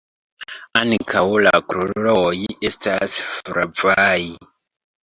Ankaŭ la kruroj estas flavaj.